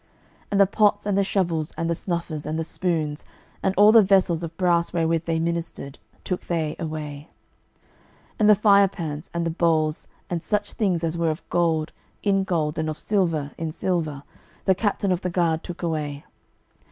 12:025:014 And the pots, and the shovels, and the snuffers, and the spoons, and all the vessels of brass wherewith they ministered, took they away. 12:025:015 And the firepans, and the bowls, and such things as were of gold, in gold, and of silver, in silver, the captain of the guard took away.